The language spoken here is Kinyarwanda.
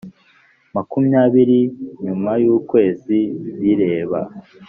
makumyabiri nyuma y ukwezi bireba